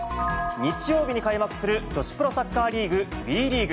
日曜日に開幕する、女子プロサッカーリーグＷＥリーグ。